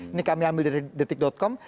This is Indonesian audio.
ini kami ambil dari detik com